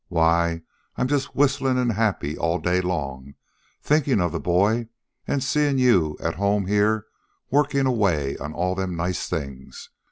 Why, I'm just whistlin' an' happy all day long, thinkin' of the boy an' seein' you at home here workin' away on all them nice things.